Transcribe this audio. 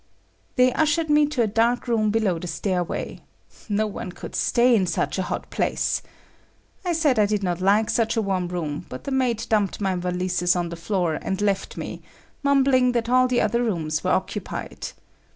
They ushered me to a dark room below the stairway. No one could stay in such a hot place! I said I did not like such a warm room, but the maid dumped my valises on the floor and left me, mumbling that all the other rooms were occupied.